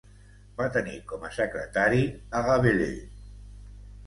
Va tenir com a secretari a Rabelais.